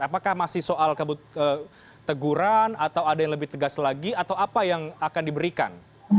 apakah masih soal teguran atau ada yang lebih tegas lagi atau apa yang akan diberikan